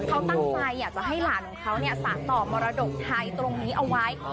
เขาตั้งใจอยากจะให้หลานของเขาสะต่อมรดกไทยตรงนี้เอาไว้